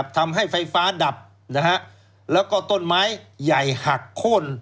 ทำให้ไฟฟ้าดับแล้วก็ต้นไม้ใหญ่หักโค้น